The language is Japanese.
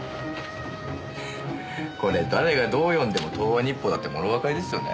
これ誰がどう読んでも東和日報だってもろわかりですよね。